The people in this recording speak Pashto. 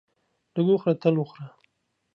لږ وخوره تل وخوره.